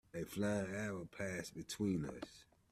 A flying arrow passed between us.